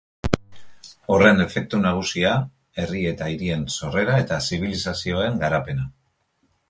Horren efektu nagusia, herri eta hirien sorrera eta zibilizazioen garapena.